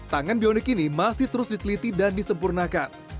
tangan bionik ini masih terus diteliti dan disempurnakan